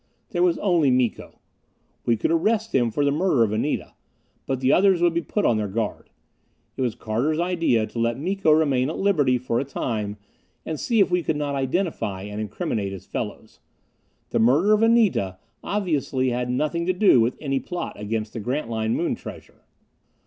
There was only Miko. We could arrest him for the murder of Anita. But the others would be put on their guard. It was Carter's idea to let Miko remain at liberty for a time and see if we could not identify and incriminate his fellows. The murder of Anita obviously had nothing to do with any plot against the Grantline Moon treasure.